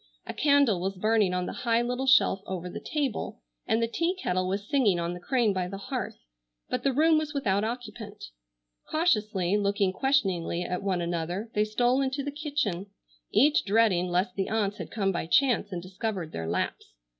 A candle was burning on the high little shelf over the table, and the tea kettle was singing on the crane by the hearth, but the room was without occupant. Cautiously, looking questioningly at one another, they stole into the kitchen, each dreading lest the aunts had come by chance and discovered their lapse.